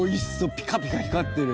ピカピカ光ってる。